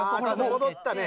戻ったね。